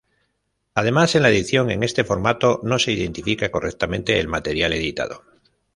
Además, en la edición en este formato, no se identifica correctamente el material editado.